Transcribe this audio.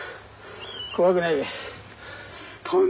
怖くないべ。